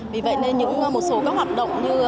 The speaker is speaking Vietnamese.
vì vậy nên những một số các hoạt động như